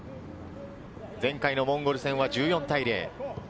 前回のモンゴル戦は１４対０。